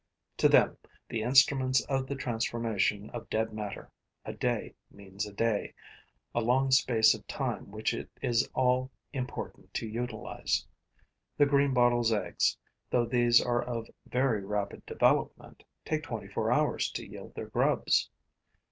To them, the instruments of the transformation of dead matter, a day means a day, a long space of time which it is all important to utilize. The greenbottle's eggs, though these are of very rapid development, take twenty four hours to yield their grubs.